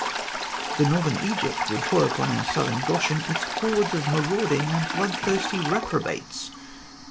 The northern Egypt would pour upon our southern Goshen its hordes of marauding and blood thirsty reprobates.